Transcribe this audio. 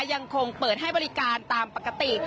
ยังคงเปิดให้บริการตามปกติ